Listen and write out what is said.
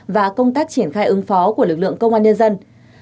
và công tác triển khai ứng phó của lực lượng công an nhân dân